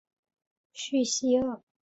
叙西厄。